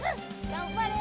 がんばれ！